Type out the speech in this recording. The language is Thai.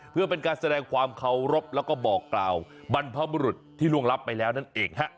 เพื่อเป็นการแสดงความเคารพแล้วก็บอกกล่าวบรรพบุรุษที่ล่วงรับไปแล้วนั่นเองฮะ